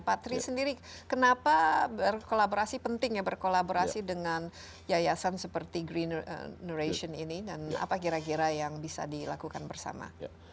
pak tri sendiri kenapa berkolaborasi penting ya berkolaborasi dengan yayasan seperti green generation ini dan apa kira kira yang bisa dilakukan bersama